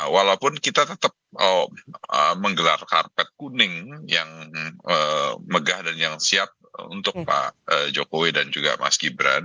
walaupun kita tetap menggelar karpet kuning yang megah dan yang siap untuk pak jokowi dan juga mas gibran